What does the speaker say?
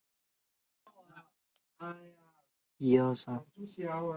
使用火箭助推是为飞行器加减速的重要方法之一。